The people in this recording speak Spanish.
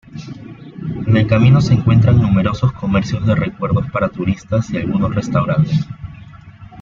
En el camino se encuentran numerosos comercios de recuerdos para turistas y algunos restaurantes.